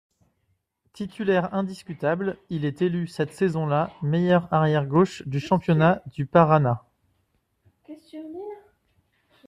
Titulaire indiscutable, il est élu cette saison-là meilleur arrière gauche du championnat du Paraná.